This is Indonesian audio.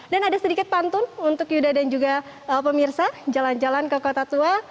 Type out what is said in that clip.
dan ada sedikit pantun untuk yuda dan juga pemirsa jalan jalan ke kota tua